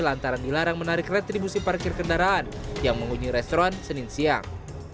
lantaran dilarang menarik retribusi parkir kendaraan yang mengunjung restoran senin siang